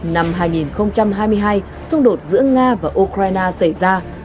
năm hai nghìn hai mươi hai xung đột giữa nga và ukraine xảy ra